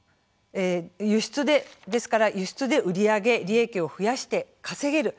ですから輸出で売り上げ利益を増やして稼げる